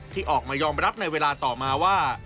ที่ออกมายอมรับในเวลาต่อมาว่า